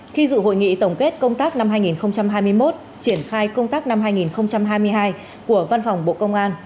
khi dự hội nghị tổng kết công tác năm hai nghìn hai mươi một triển khai công tác năm hai nghìn hai mươi hai của văn phòng bộ công an